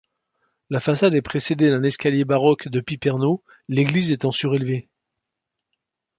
La façade est précédée d'un escalier baroque de piperno, l'église étant surélevée.